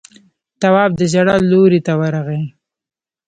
تواب د ژړا لورې ته ورغی.